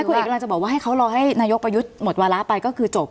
คุณเอกกำลังจะบอกว่าให้เขารอให้นายกประยุทธ์หมดวาระไปก็คือจบ